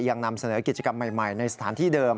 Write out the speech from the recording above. ยังนำเสนอกิจกรรมใหม่ในสถานที่เดิม